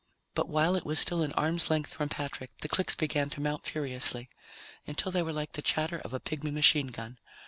But while it was still an arm's length from Patrick, the clicks began to mount furiously, until they were like the chatter of a pigmy machine gun.